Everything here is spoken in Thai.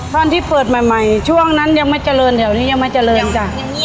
ตอนที่เปิดใหม่ช่วงนั้นยังไม่เจริญแถวนี้ยังไม่เจริญจ้ะ